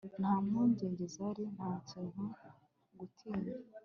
nta mpungenge zari; nta kintu cyo gutinya